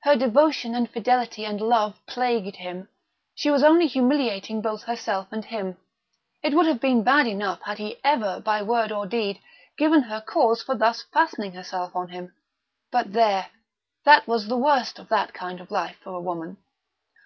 Her devotion and fidelity and love plagued him; she was only humiliating both herself and him. It would have been bad enough had he ever, by word or deed, given her cause for thus fastening herself on him ... but there; that was the worst of that kind of life for a woman.